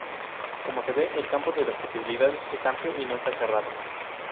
Como se ve, el campo de las posibilidades es amplio y no está cerrado.